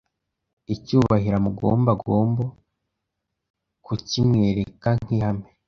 icyubahiro amugomba gombo kukimwereka nkihame